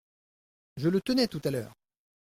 Je le tenais tout à l’heure.